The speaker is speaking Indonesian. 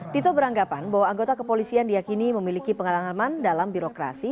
tito beranggapan bahwa anggota kepolisian diakini memiliki pengalaman dalam birokrasi